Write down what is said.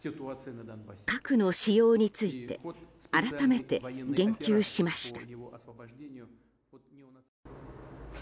核の使用について改めて言及しました。